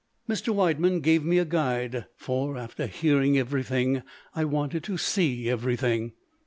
Mr. Widemann gave me a guide; for, after hearing everything, I wanted to see everything.